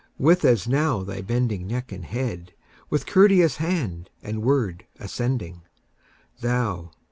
with as now thy bending neck and head, with courteous hand and word, ascending, Thou!